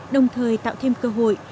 đồng thời tạo thêm cơ hội